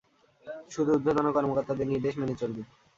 শুধু ঊর্ধ্বতন কর্মকর্তাদের নির্দেশ মেনে চলবি।